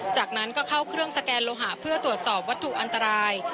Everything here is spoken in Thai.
จากนั้นก็เข้าเครื่องสแกนโลหะเพื่อตรวจสอบวัตถุอันตราย